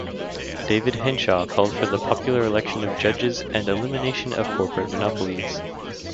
David Henshaw called for the popular election of judges and elimination of corporate monopolies.